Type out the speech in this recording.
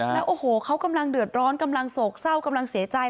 แล้วโอ้โหเขากำลังเดือดร้อนกำลังโศกเศร้ากำลังเสียใจ